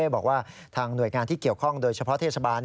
บอกว่าทางหน่วยงานที่เกี่ยวข้องโดยเฉพาะเทศบาล